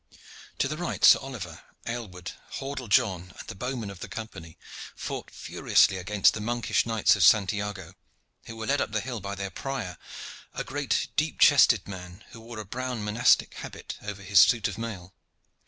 To the right Sir Oliver, Aylward, Hordle John, and the bowmen of the Company fought furiously against the monkish Knights of Santiago, who were led up the hill by their prior a great, deep chested man, who wore a brown monastic habit over his suit of mail.